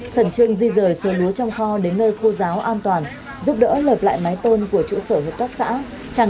thẩn trương di rời sơ lúa trong kho đến nơi khô giáo an toàn giúp đỡ lợp lại mái tôn của chủ sở hợp tác xã